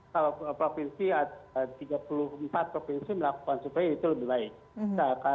kalau provinsi tiga puluh empat provinsi melakukan survei itu lebih baik